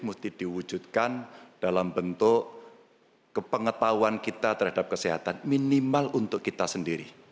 musti diwujudkan dalam bentuk kepengetahuan kita terhadap kesehatan minimal untuk kita sendiri